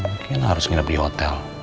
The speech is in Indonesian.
mungkin harus nginep di hotel